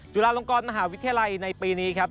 จุฬาลงกรมหาวิทยาลัยในปีนี้ครับ